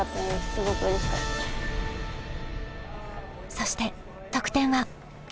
そして得点は。